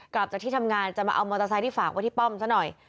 กลับจากที่ทำงานจะมาเอามอเตอร์ไซค์ที่ฝากไว้ที่ป้อมซะหน่อย